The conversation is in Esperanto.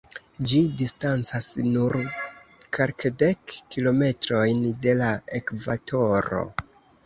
Ĝi distancas nur kelkdek kilometrojn de la ekvatoro.